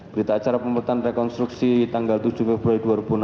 berita acara pemetaan rekonstruksi tanggal tujuh februari dua ribu enam belas